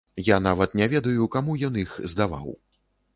Я нават не ведаю, каму ён іх здаваў.